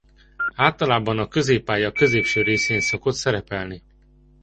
Általában a középpálya középső részén szokott szerepelni.